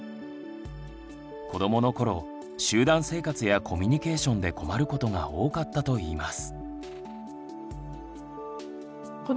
子どもの頃集団生活やコミュニケーションで困ることが多かったといいます。